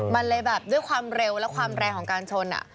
มันเลยแบบด้วยความเร็วและความแรงของการชน